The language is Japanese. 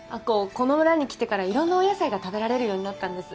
この村に来てからいろんなお野菜が食べられるようになったんです。